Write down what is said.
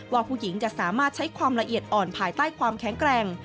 ว่าผู้หญิงจะสามารถใช้ความละเอียดอ่อนภายใต้ความแข็งแกร่ง